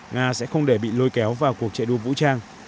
nga sẽ không để bị lôi kéo vào cuộc chạy đua vũ trang